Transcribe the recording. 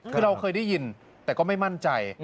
คือเราเคยได้ยินแต่ก็ไม่มั่นใจ